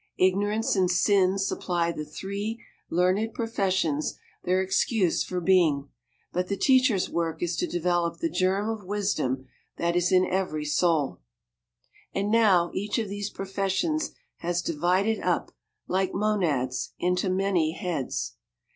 Ignorance and sin supply the three "learned professions" their excuse for being, but the teacher's work is to develop the germ of wisdom that is in every soul. And now each of these professions has divided up, like monads, into many heads.